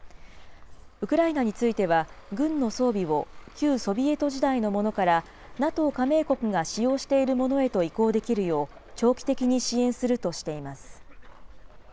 ウクライナについては、軍の装備を旧ソビエト時代のものから、ＮＡＴＯ加盟国が使用しているものへと移行できるよう、長期的に支援するとしています。